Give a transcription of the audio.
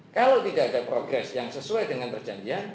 kalau tidak ada progres yang sesuai dengan perjanjian